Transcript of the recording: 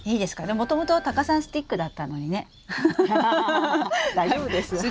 でももともとはタカさんスティックだったのにね。大丈夫ですよ。